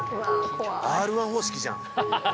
『Ｒ−１』方式じゃん。